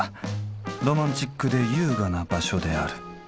ロマンチックで優雅な場所である。